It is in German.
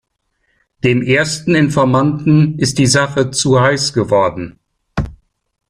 Dem ersten Informanten ist die Sache zu heiß geworden.